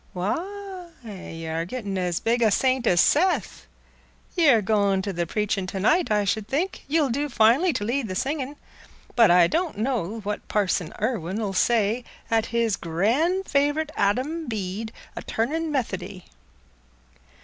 "Why, y' are gettin' as big a saint as Seth. Y' are goin' to th' preachin' to night, I should think. Ye'll do finely t' lead the singin'. But I don' know what Parson Irwine 'ull say at his gran' favright Adam Bede a turnin' Methody."